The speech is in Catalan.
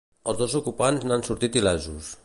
Els dos ocupants n'han sortit il·lesos.